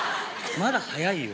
まだ早いよ。